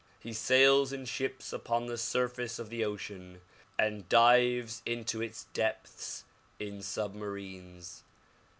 He sails in ships upon the surface of the ocean and dives into its depths in submarines.